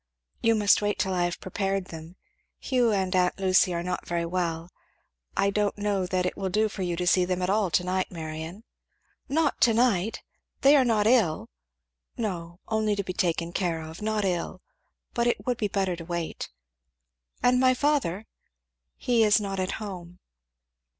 "You must wait till I have prepared them Hugh and aunt Lucy are not very well. I don't know that it will do for you to see them at all to night, Marion." "Not to night! They are not ill?" "No only enough to be taken care of not ill. But it would be better to wait" "And my father?" "He is not at home."